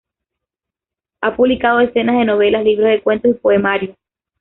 Ha publicado decenas de novelas, libros de cuento y poemarios.